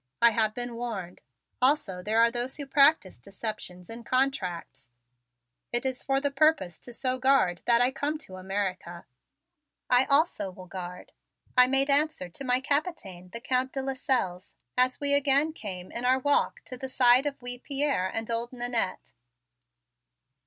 I have been warned. Also there are those who practice deceptions in contracts. It is for the purpose to so guard that I come to America." "I also will so guard," I made answer to my Capitaine, the Count de Lasselles, as we again came in our walk to the side of wee Pierre and old Nannette.